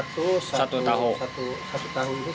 lima ratus satu tahu ini lima ratus